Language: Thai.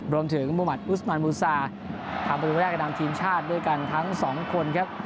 รวมถึงมุมัติอุสมันมูซาทาบูแรกในนามทีมชาติด้วยกันทั้งสองคนครับ